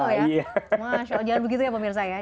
masya allah jangan begitu ya pemirsa ya